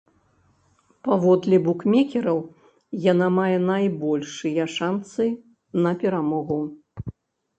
Паводле букмекераў, яна мае найбольшыя шанцы на перамогу.